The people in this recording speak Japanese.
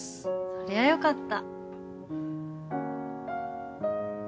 そりゃよかった。